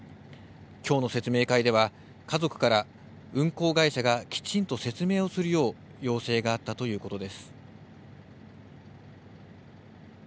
きょうの説明会では家族から運航会社がきちんと説明をするよう要請があったということです。